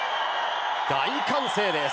大歓声です。